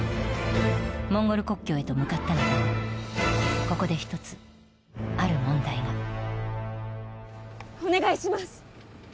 モンゴル国境へと向かったのだがここで一つある問題がお願いします